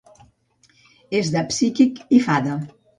És de psíquic i fada.